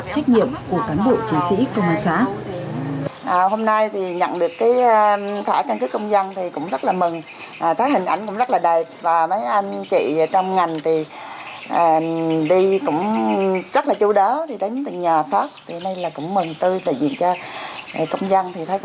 trách nhiệm của cán bộ chiến sĩ công an xã